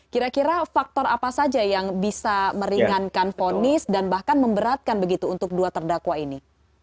kira kira faktor apa saja yang bisa meringankan ponis dan bahkan memberatkan begitu untuk dua terdakwa ini